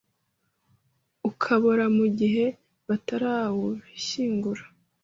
ukabora mu gihe batarawushyingura